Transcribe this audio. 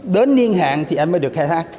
đến niên hạn thì anh mới được khai thác